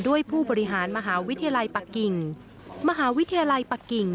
ด้วยผู้บริหารมหาวิทยาลัยปักกิงมหาวิทยาลัยปักกิง